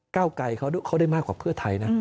เก้าไกลเขาได้มากกว่าเพื่อไทยนะ